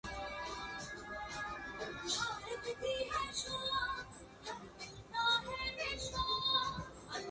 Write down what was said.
There stood of old a bronze image of a goat.